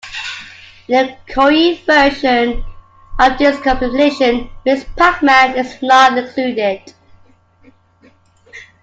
In the Korean version of this compilation, "Ms. Pac-Man" is not included.